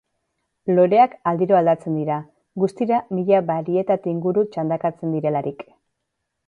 Loreak aldiro aldatzen dira, guztira mila barietate inguru txandakatzen direlarik.